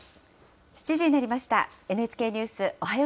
７時になりました。